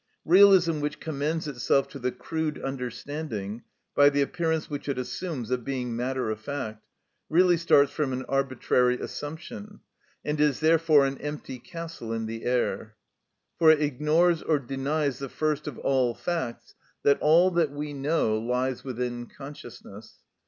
Realism which commends itself to the crude understanding, by the appearance which it assumes of being matter of fact, really starts from an arbitrary assumption, and is therefore an empty castle in the air, for it ignores or denies the first of all facts, that all that we know lies within consciousness.